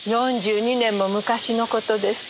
４２年も昔の事です。